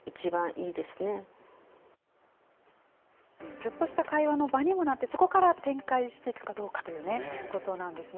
ちょっとした会話の場にもなって、そこから展開していくかどうかということなんですね。